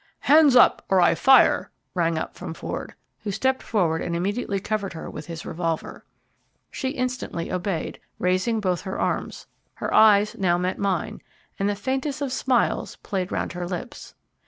"Hands up, or I fire!" rang out from Ford, who stepped forward and immediately covered her with his revolver. She instantly obeyed, raising both her arms; her eyes now met mine, and the faintest of smiles played round her lips.